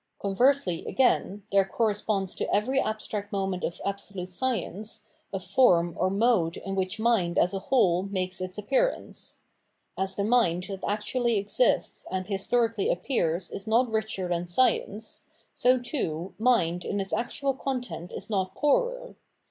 Conversely, again, there corresponds to every abstract moment of absolute Science a form or raode in which mind as a whole makes it appearance. As the mind that actually exists and historically appears is not richer than Science, so, too, mind in its actual content is not poorer.